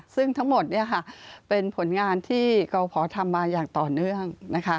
ซึ่งทั้งหมดเป็นผลงานที่กรพทำมาอย่างต่อเนื่อง